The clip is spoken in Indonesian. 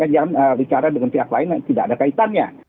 jangan bicara dengan pihak lain yang tidak ada kaitannya